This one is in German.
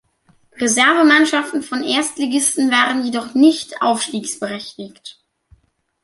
Reservemannschaften von Erstligisten waren jedoch nicht aufstiegsberechtigt.